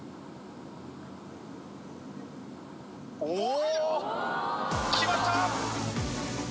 お！